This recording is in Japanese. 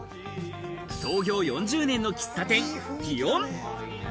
創業４０年の喫茶店、ｇｉｏｎ。